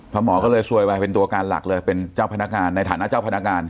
หมอก็เลยซวยวายเป็นตัวการหลักเลยเป็นเจ้าพนักงานในฐานะเจ้าพนักงาน